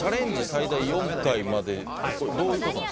最大４回までってこれどういう事なんですか？